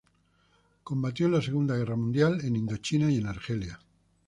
Combatió en la Segunda Guerra Mundial, en Indochina y Argelia.